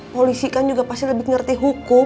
polisi kan juga pasti lebih ngerti hukum